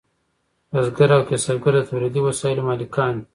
بزګر او کسبګر د تولیدي وسایلو مالکان دي.